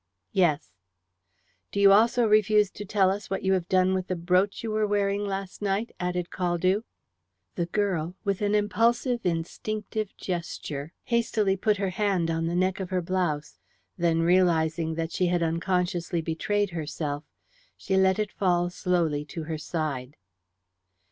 "Yes." "Do you also refuse to tell us what you have done with the brooch you were wearing last night?" added Caldew. The girl, with an impulsive instinctive gesture, hastily put her hand to the neck of her blouse, then, realizing that she had unconsciously betrayed herself, she let it fall slowly to her side.